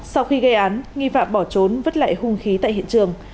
sau khi gây án nghi phạm bỏ trốn vứt lại hung khí tại hiện trường